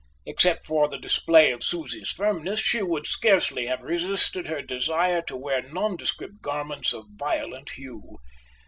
Except for the display of Susie's firmness, she would scarcely have resisted her desire to wear nondescript garments of violent hue.